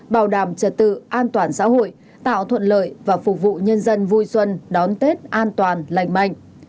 bảo đảm trật tự an toàn xã hội tạo thuận lợi và phục vụ nhân dân vui xuân đón tết an toàn lành mạnh